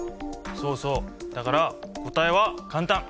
そうそうだから答えは簡単。